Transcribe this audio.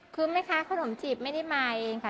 คือแม่ค้าขนมจีบไม่ได้มาเองค่ะ